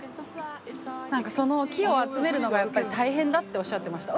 なんかその木を集めるのがやっぱり大変だっておっしゃってました。